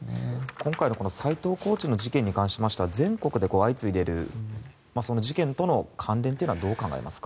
今回の斎藤コーチの事件に関しましては全国で相次いでいる事件との関連はどう考えますか？